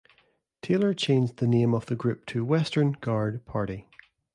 Taylor changed the name of the group to Western Guard Party.